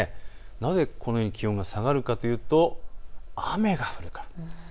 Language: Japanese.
なぜこのように気温が下がるかというと雨が降るから。